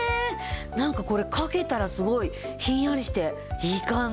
なんかこれ掛けたらすごいひんやりしていい感じ。